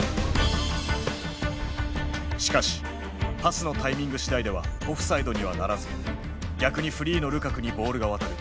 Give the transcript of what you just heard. しかしパスのタイミング次第ではオフサイドにはならず逆にフリーのルカクにボールが渡る。